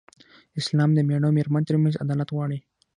اسلام د مېړه او مېرمن تر منځ عدالت غواړي.